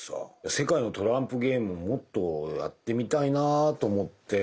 世界のトランプゲームももっとやってみたいなと思って。